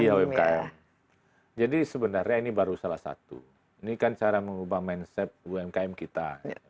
iya umkm jadi sebenarnya ini baru salah satu ini kan cara mengubah mindset umkm kita